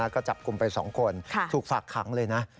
ก็จับกลุ่มไป๒คนถูกฝากขังเลยนะ